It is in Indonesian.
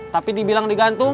tapi dibilang digantung